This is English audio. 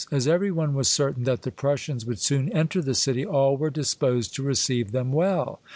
As every one was certain that the Prussians would soon enter the city, all were disposed to receive them well.